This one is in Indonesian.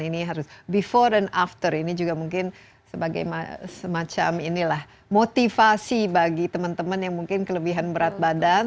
ini harus before dan after ini juga mungkin sebagai semacam inilah motivasi bagi teman teman yang mungkin kelebihan berat badan